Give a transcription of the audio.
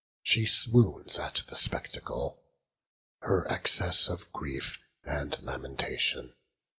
She swoons at the spectacle. Her excess of grief and lamentation.